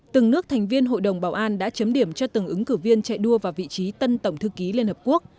từng nước thành viên hội đồng bảo an đã chấm điểm cho từng ứng cử viên chạy đua vào vị trí tân tổng thư ký liên hợp quốc